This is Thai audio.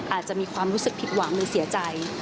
อาจจะมีความรู้สึกผิดหวังหรือเสียใจ